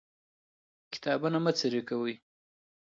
کتابونه مه څيرې کوئ.